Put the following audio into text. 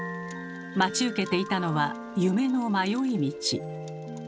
待ち受けていたのは夢の迷い道。